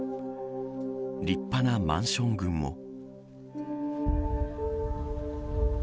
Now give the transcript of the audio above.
立派なマンション群も。